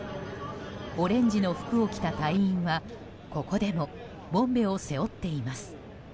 オレンジの服を着た隊員はここでもボンベを背負っています。